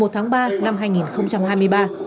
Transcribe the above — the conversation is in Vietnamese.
một mươi một tháng ba năm hai nghìn hai mươi ba